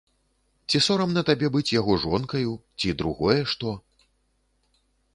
Ці сорамна табе быць яго жонкаю, ці другое што?